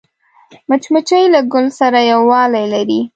مچمچۍ له ګل سره یووالی لري